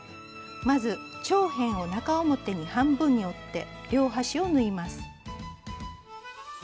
まず長辺を中表に半分に折って両端を縫います。